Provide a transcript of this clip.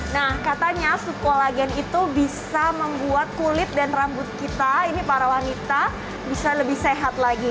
nah katanya sup kolagen itu bisa membuat kulit dan rambut kita ini para wanita bisa lebih sehat lagi